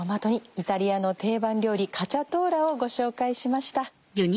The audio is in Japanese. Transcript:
イタリアの定番料理カチャトーラをご紹介しました。